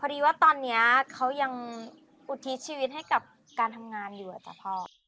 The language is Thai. ดีว่าตอนนี้เขายังอุทิศชีวิตให้กับการทำงานอยู่อะจ้ะพ่อ